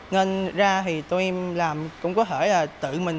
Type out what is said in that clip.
nên ra thì tụi em làm cũng có thể là tự mình